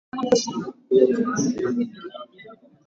wa kugeuza umbo la glutamati katika Mara mtu ageukapo kutoka matumizi